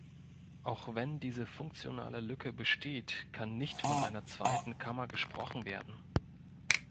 Auch wenn diese funktionale Lücke besteht, kann nicht von einer zweiten Kammer gesprochen werden.